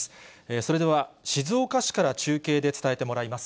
それでは、静岡市から中継で伝えてもらいます。